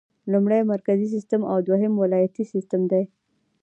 لومړی مرکزي سیسټم او دوهم ولایتي سیسټم دی.